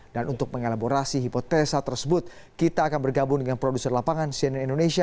dan untuk mengelaborasi hipotesa tersebut kita akan bergabung dengan produser lapangan cnn indonesia